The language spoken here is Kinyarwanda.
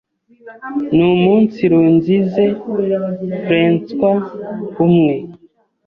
Numunsirunzize Frençois, umwe